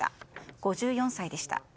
５４歳でした。